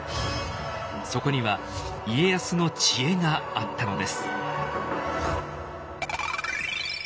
そこには家康の知恵があったのです。